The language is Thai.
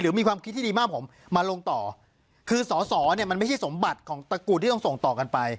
มีความคิดที่ดีมากผมมาลงต่อคือสอสอเนี่ยมันไม่ใช่สมบัติของตระกูลที่ต้องส่งต่อกันไป